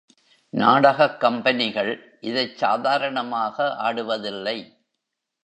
நாடகக் கம்பெனிகள் இதைச் சாதாரணமாக ஆடுவதில்லை.